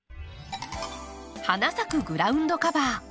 花咲くグラウンドカバー。